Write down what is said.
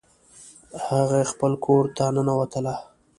هغه خپل کور ته ننوتله